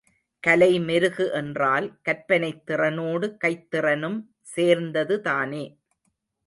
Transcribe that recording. கலை மெருகு என்றால் கற்பனைத் திறனோடு கைத்திறனும் சேர்ந்ததுதானே.